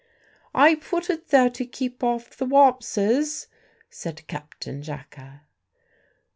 ... "I put it there to keep off the wopses," said Captain Jacka.